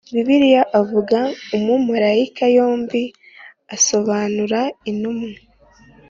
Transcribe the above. Bibiliya avuga umumarayika yombi asobanura intumwa